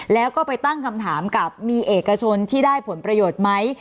แล้วก็ไปตั้งคำถามกับมีเอกชนที่ได้ผลประโยชน์ไหม